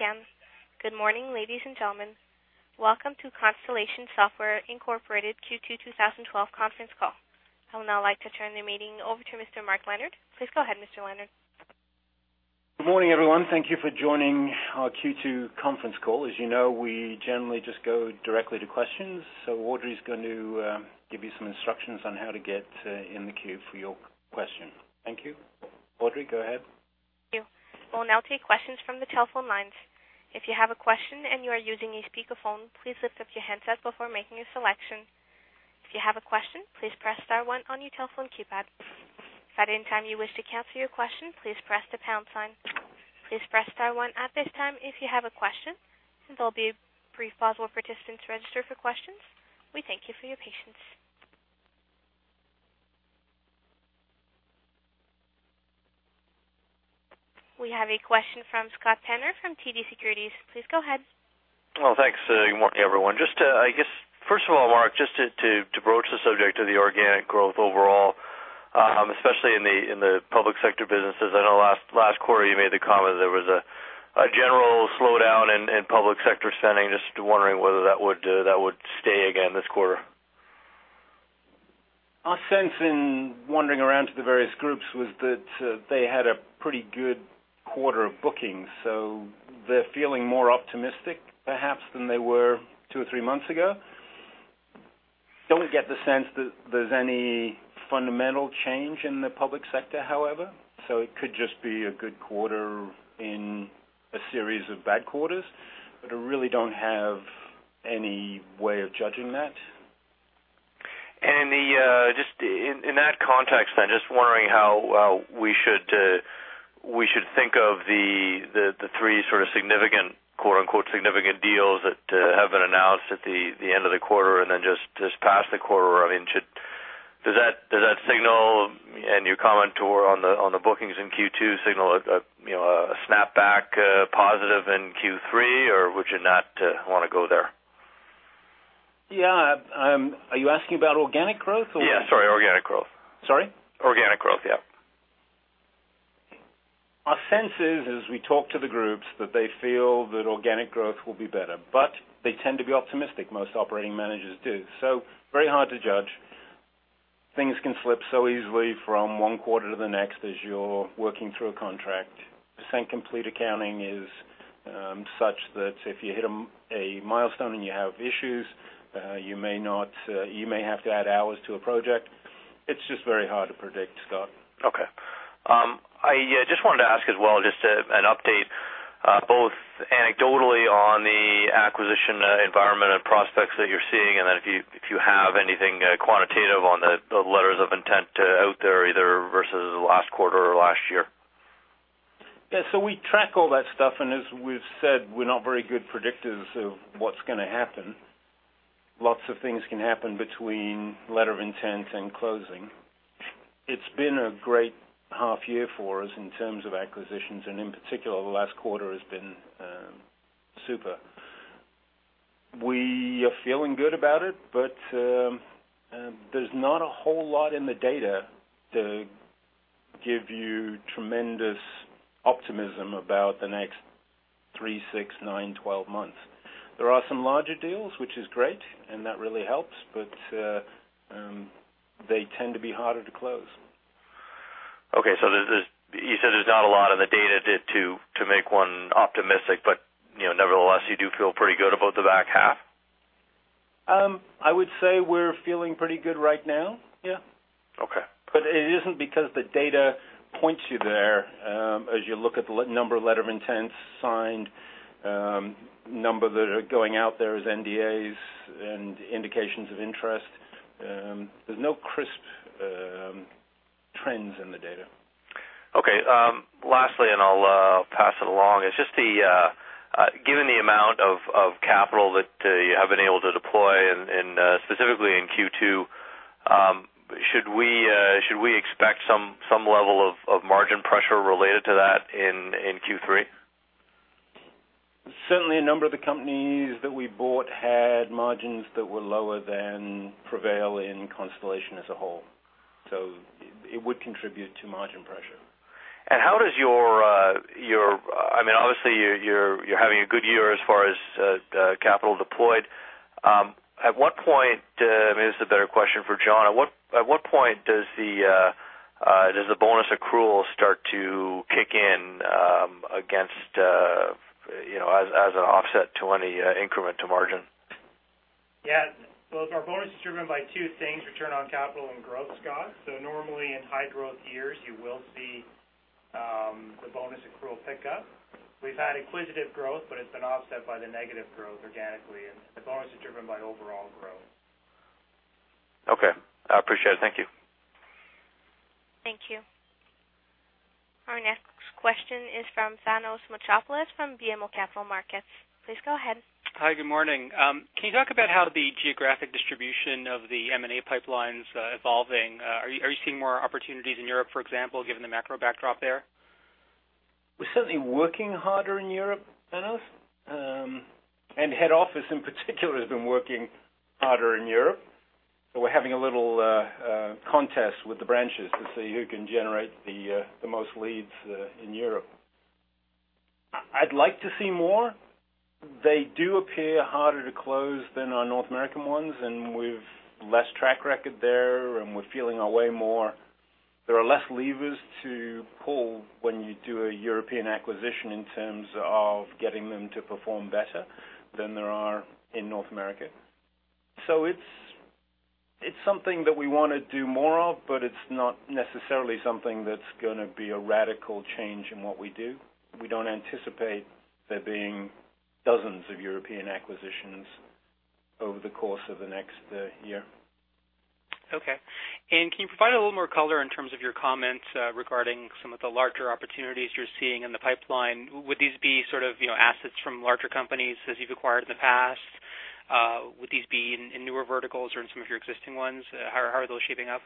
Again, good morning, ladies and gentlemen. Welcome to Constellation Software Inc. Q2 2012 Conference Call. I would now like to turn the meeting over to Mr. Mark Leonard. Please go ahead, Mr. Leonard. Good morning, everyone. Thank you for joining our Q2 conference call. As you know, we generally just go directly to questions. Audrey is going to give you some instructions on how to get in the queue for your question. Thank you. Audrey, go ahead. Thank you. We'll now take questions from the telephone lines. If you have a question and you are using a speakerphone, please lift up your handsets before making a selection. If you have a question, please press star one on your telephone keypad. At any time you wish to cancel your question, please press the pound sign. Please press star one at this time if you have a question. Since there'll be a brief pause while participants register for questions, we thank you for your patience. We have a question from Scott Penner from TD Securities. Please go ahead. Oh, thanks. Good morning, everyone. Just to, I guess, first of all, Mark, just to broach the subject of the organic growth overall, especially in the public sector businesses. I know last quarter, you made the comment there was a general slowdown in public sector spending. Just wondering whether that would stay again this quarter. Our sense in wandering around to the various groups was that they had a pretty good quarter of bookings, so they're feeling more optimistic perhaps than they were two or three months ago. Don't get the sense that there's any fundamental change in the public sector, however. It could just be a good quarter in a series of bad quarters, but I really don't have any way of judging that. The just in that context then, just wondering how we should think of the three sort of significant, quote-unquote, significant deals that have been announced at the end of the quarter and then just past the quarter. I mean, does that signal and your comment on the bookings in Q2 signal, you know, a snapback positive in Q3? Or would you not wanna go there? Yeah. Are you asking about organic growth or? Yeah, sorry, organic growth. Sorry? Organic growth. Yeah. Our sense is, as we talk to the groups, that they feel that organic growth will be better, but they tend to be optimistic. Most operating managers do. Very hard to judge. Things can slip so easily from one quarter to the next as you're working through a contract. Percent complete accounting is such that if you hit a milestone and you have issues, you may not, you may have to add hours to a project. It's just very hard to predict, Scott. Okay. I, yeah, just wanted to ask as well, just an update, both anecdotally on the acquisition environment and prospects that you're seeing, and then if you, if you have anything quantitative on the letters of intent out there either versus last quarter or last year. Yeah. We track all that stuff, and as we've said, we're not very good predictors of what's gonna happen. Lots of things can happen between letter of intent and closing. It's been a great half year for us in terms of acquisitions, and in particular, the last quarter has been super. We are feeling good about it, there's not a whole lot in the data to give you tremendous optimism about the next three, six, nine, 12 months. There are some larger deals, which is great, and that really helps, they tend to be harder to close. Okay. You said there's not a lot in the data to make one optimistic, but, you know, nevertheless, you do feel pretty good about the back half? I would say we're feeling pretty good right now. Yeah. Okay. It isn't because the data points you there, as you look at the number of letter of intents signed, number that are going out there as NDAs and indications of interest. There's no crisp trends in the data. Okay. Lastly, and I'll pass it along. It's just the given the amount of capital that you have been able to deploy and specifically in Q2, should we expect some level of margin pressure related to that in Q3? Certainly a number of the companies that we bought had margins that were lower than prevail in Constellation as a whole, so it would contribute to margin pressure. How does your, I mean, obviously, you're having a good year as far as capital deployed. At what point, maybe this is a better question for John. At what point does the bonus accrual start to kick in, against, you know, as an offset to any increment to margin? Yeah. Well, our bonus is driven by two things, return on capital and growth, Scott. Normally in high growth years, you will see the bonus accrual pick up. We've had acquisitive growth, but it's been offset by the negative growth organically. The bonus is driven by overall growth. Okay. I appreciate it. Thank you. Thank you. Our next question is from Thanos Moschopoulos from BMO Capital Markets. Please go ahead. Hi, good morning. Can you talk about how the geographic distribution of the M&A pipeline's evolving? Are you seeing more opportunities in Europe, for example, given the macro backdrop there? We're certainly working harder in Europe, Thanos. Head office in particular has been working harder in Europe. We're having a little contest with the branches to see who can generate the most leads in Europe. I'd like to see more. They do appear harder to close than our North American ones, and we've less track record there, and we're feeling our way more. There are less levers to pull when you do a European acquisition in terms of getting them to perform better than there are in North America. It's, it's something that we wanna do more of, but it's not necessarily something that's gonna be a radical change in what we do. We don't anticipate there being dozens of European acquisitions over the course of the next year. Okay. Can you provide a little more color in terms of your comments regarding some of the larger opportunities you're seeing in the pipeline? Would these be sort of, you know, assets from larger companies as you've acquired in the past? Would these be in newer verticals or in some of your existing ones? How are those shaping up?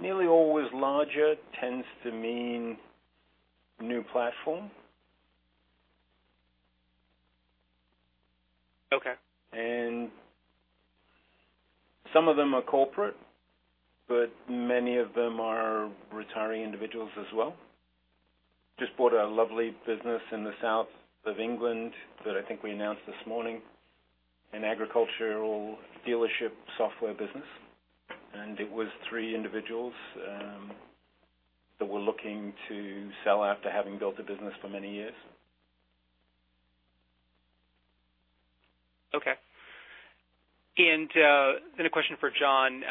Nearly always larger tends to mean new platform. Okay. Some of them are corporate, but many of them are retiring individuals as well. Just bought a lovely business in the South of England that I think we announced this morning, an agricultural dealership software business. It was three individuals that were looking to sell after having built a business for many years. Okay. Then a question for John.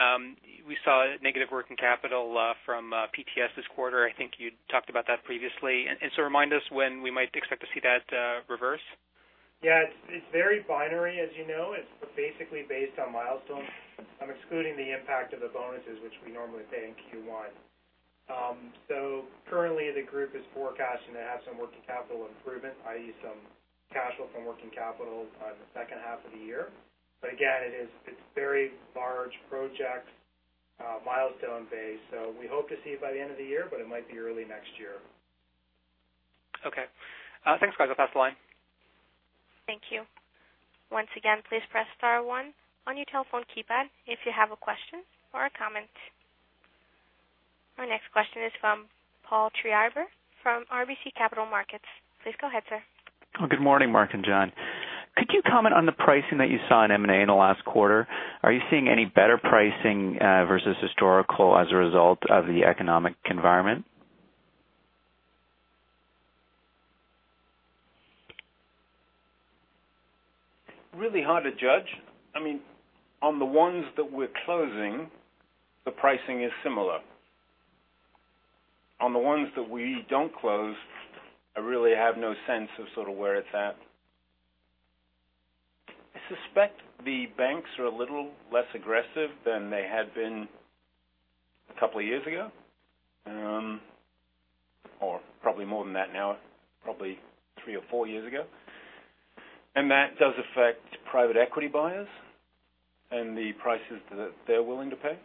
We saw negative working capital from PTS this quarter. I think you talked about that previously. Remind us when we might expect to see that reverse. Yeah. It's very binary, as you know. It's basically based on milestones. I'm excluding the impact of the bonuses, which we normally pay in Q1. Currently the group is forecasting to have some working capital improvement, i.e., some cash flow from working capital in the second half of the year. Again, it's very large project, milestone based. We hope to see it by the end of the year, but it might be early next year. Okay. thanks. Guy, I'll pass the line. Thank you. Once again, please press star one on your telephone keypad if you have a question or a comment. Our next question is from Paul Treiber from RBC Capital Markets. Please go ahead, sir. Good morning, Mark and John. Could you comment on the pricing that you saw in M&A in the last quarter? Are you seeing any better pricing versus historical as a result of the economic environment? Really hard to judge. I mean, on the ones that we're closing, the pricing is similar. On the ones that we don't close, I really have no sense of sort of where it's at. I suspect the banks are a little less aggressive than they had been a couple of years ago, or probably more than that now, probably three or four years ago. That does affect private equity buyers and the prices that they're willing to pay.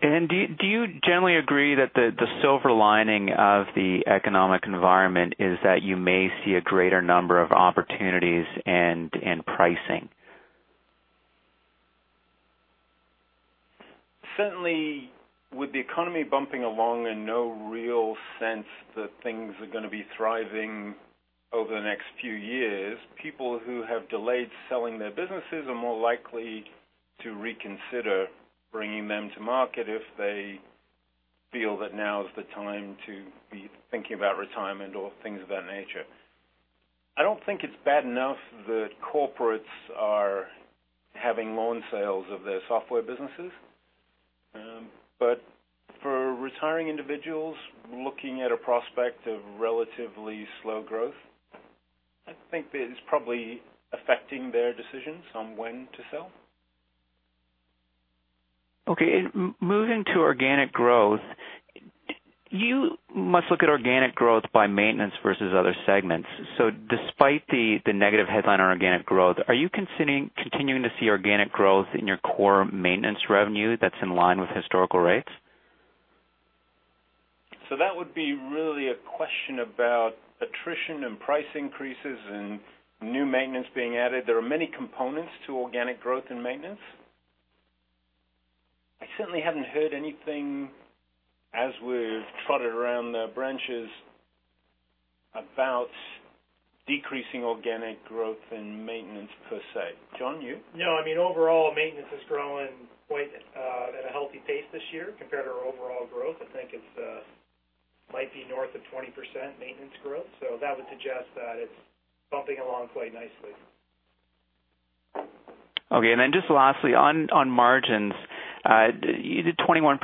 Do you generally agree that the silver lining of the economic environment is that you may see a greater number of opportunities and, in pricing? Certainly with the economy bumping along and no real sense that things are gonna be thriving over the next few years, people who have delayed selling their businesses are more likely to reconsider bringing them to market if they feel that now is the time to be thinking about retirement or things of that nature. I don't think it's bad enough that corporates are having [loan sales] of their software businesses. For retiring individuals looking at a prospect of relatively slow growth, I think that it's probably affecting their decisions on when to sell. Okay. moving to organic growth, do you must look at organic growth by maintenance versus other segments. despite the negative headline on organic growth, are you considering continuing to see organic growth in your core maintenance revenue that's in line with historical rates? That would be really a question about attrition and price increases and new maintenance being added. There are many components to organic growth and maintenance. I certainly haven't heard anything as we've trotted around the branches about decreasing organic growth in maintenance per se. John, you? No. I mean, overall maintenance is growing quite, at a healthy pace this year compared to our overall growth. I think it's, might be north of 20% maintenance growth. That would suggest that it's bumping along quite nicely. Okay. Just lastly, on margins, you did 21%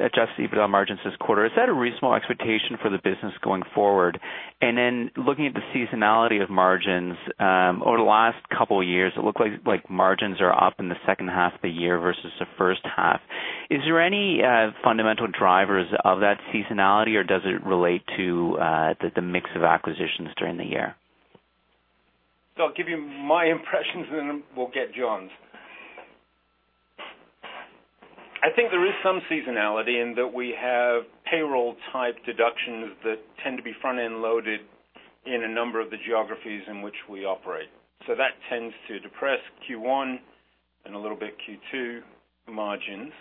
adjusted EBITDA margins this quarter. Is that a reasonable expectation for the business going forward? Looking at the seasonality of margins, over the last couple of years, it looked like margins are up in the second half of the year versus the first half. Is there any fundamental drivers of that seasonality, or does it relate to the mix of acquisitions during the year? I'll give you my impressions, and then we'll get John's. I think there is some seasonality in that we have payroll type deductions that tend to be front-end loaded in a number of the geographies in which we operate. That tends to depress Q1 and a little bit Q2 margins.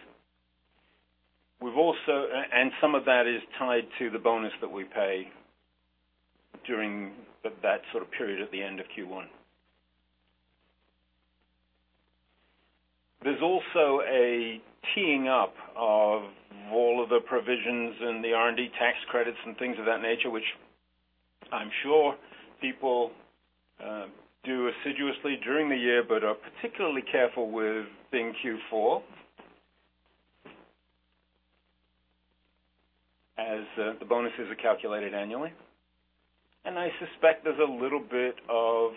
We've also, and some of that is tied to the bonus that we pay during that sort of period at the end of Q1. There's also a teeing up of all of the provisions and the R&D tax credits and things of that nature, which I'm sure people do assiduously during the year but are particularly careful with in Q4. As the bonuses are calculated annually. I suspect there's a little bit of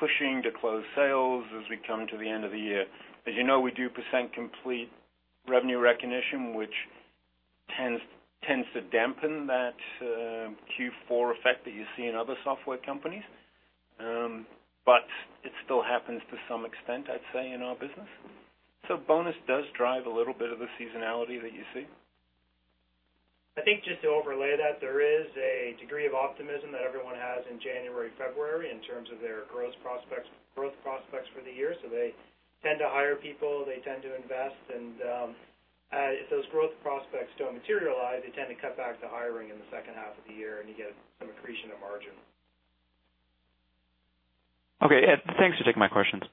pushing to close sales as we come to the end of the year. As you know, we do percent complete revenue recognition, which tends to dampen that Q4 effect that you see in other software companies. It still happens to some extent, I'd say, in our business. Bonus does drive a little bit of the seasonality that you see. I think just to overlay that, there is a degree of optimism that everyone has in January, February in terms of their growth prospects, growth prospects for the year. They tend to hire people, they tend to invest. If those growth prospects don't materialize, they tend to cut back the hiring in the second half of the year, and you get some accretion of margin. Okay. Yeah, thanks for taking my questions.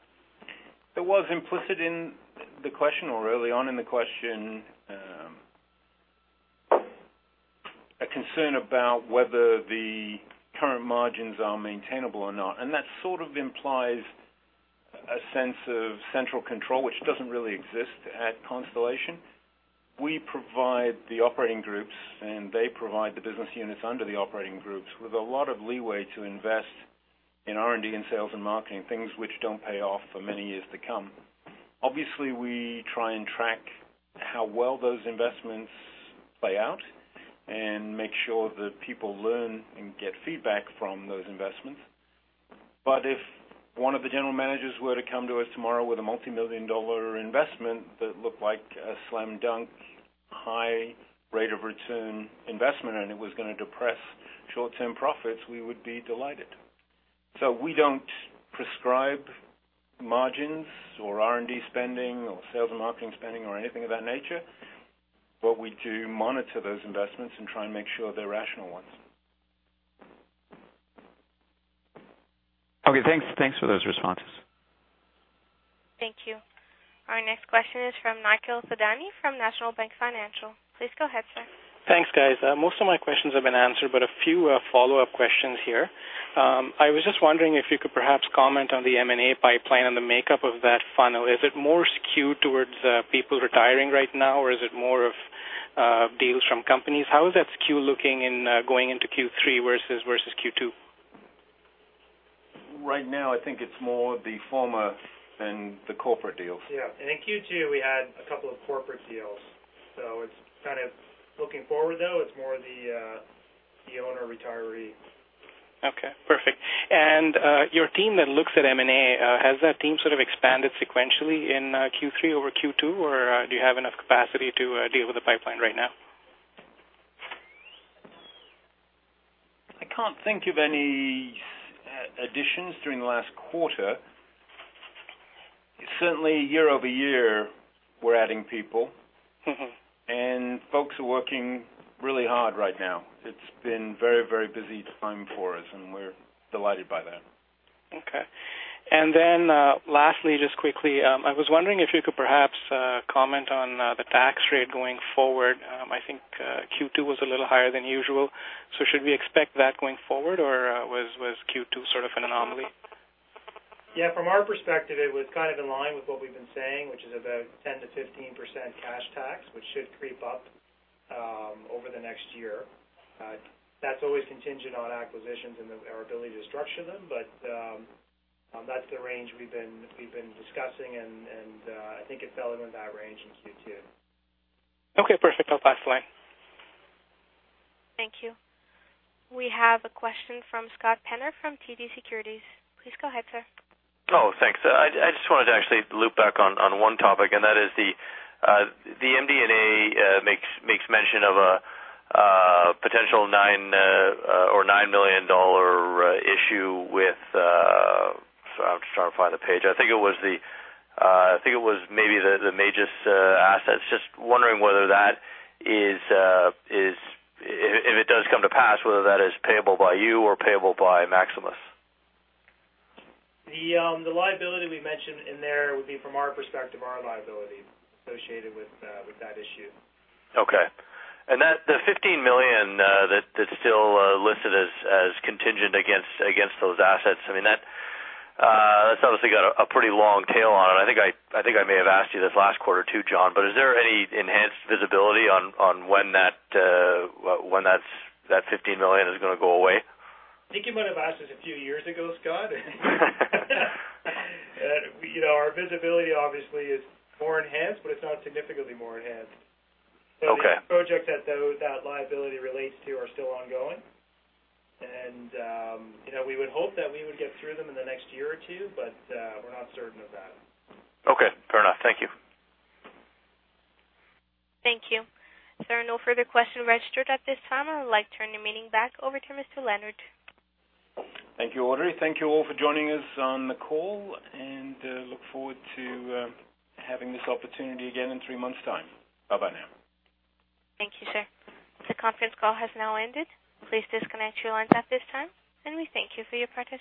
It was implicit in the question or early on in the question, a concern about whether the current margins are maintainable or not, and that sort of implies a sense of central control, which doesn't really exist at Constellation. We provide the operating groups, and they provide the business units under the operating groups with a lot of leeway to invest in R&D and sales and marketing, things which don't pay off for many years to come. Obviously, we try and track how well those investments play out and make sure that people learn and get feedback from those investments. If one of the general managers were to come to us tomorrow with a multi-million investment that looked like a slam dunk, high rate of return investment, and it was gonna depress short-term profits, we would be delighted. We don't prescribe margins or R&D spending or sales and marketing spending or anything of that nature. What we do monitor those investments and try and make sure they're rational ones. Okay, thanks. Thanks for those responses. Thank you. Our next question is from Nikhil Thadani from National Bank Financial. Please go ahead, sir. Thanks, guys. Most of my questions have been answered, but a few follow-up questions here. I was just wondering if you could perhaps comment on the M&A pipeline and the makeup of that funnel. Is it more skewed towards people retiring right now, or is it more of deals from companies? How is that skew looking in going into Q3 versus Q2? Right now, I think it's more the former than the corporate deals. Yeah. In Q2, we had a couple of corporate deals. It's kind of looking forward, though, it's more the owner retiree. Okay, perfect. Your team that looks at M&A has that team sort of expanded sequentially in Q3 over Q2, or do you have enough capacity to deal with the pipeline right now? I can't think of any additions during the last quarter. Certainly, year over year, we're adding people. Folks are working really hard right now. It's been very, very busy time for us, and we're delighted by that. Okay. Lastly, just quickly, I was wondering if you could perhaps comment on the tax rate going forward. I think Q2 was a little higher than usual. Should we expect that going forward, or was Q2 sort of an anomaly? Yeah, from our perspective, it was kind of in line with what we've been saying, which is about 10%-15% cash tax, which should creep up over the next year. That's always contingent on acquisitions and our ability to structure them. That's the range we've been discussing, and I think it fell into that range in Q2. Okay, perfect. I'll pass the line. Thank you. We have a question from Scott Penner from TD Securities. Please go ahead, sir. Oh, thanks. I just wanted to actually loop back on one topic. That is the MD&A makes mention of a potential 9 million dollar issue with I'm just trying to find the page. I think it was the I think it was maybe the MAXIMUS assets. Just wondering whether that is if it does come to pass, whether that is payable by you or payable by MAXIMUS. The liability we mentioned in there would be, from our perspective, our liability associated with that issue. Okay. The 15 million, that's still listed as contingent against those assets, I mean, that's obviously got a pretty long tail on it. I think I may have asked you this last quarter too, John, but is there any enhanced visibility on when that 15 million is gonna go away? I think you might have asked us a few years ago, Scott. You know, our visibility obviously is more enhanced, but it's not significantly more enhanced. Okay. The projects that that liability relates to are still ongoing. You know, we would hope that we would get through them in the next year or two, but we're not certain of that. Okay, fair enough. Thank you. Thank you. There are no further questions registered at this time. I would like to turn the meeting back over to Mr. Leonard. Thank you, Audrey. Thank you all for joining us on the call. Look forward to having this opportunity again in three months' time. Bye-bye now. Thank you, sir. The conference call has now ended. Please disconnect your lines at this time, and we thank you for your participation.